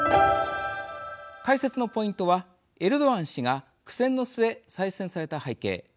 解説のポイントはエルドアン氏が苦戦の末再選された背景。